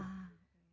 tapi berapa banyak ya